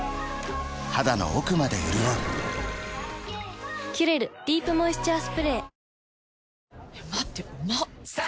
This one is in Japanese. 肌の奥まで潤う「キュレルディープモイスチャースプレー」